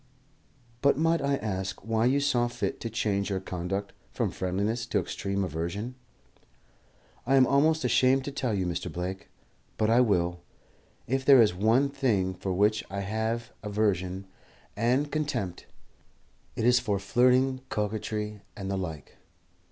"But might I ask why you saw fit to change your conduct from friendliness to extreme aversion?" "I'm almost ashamed to tell you, Mr. Blake, but I will. If there is one thing for which I have aversion and contempt, it is for flirting, coquetry, and the like.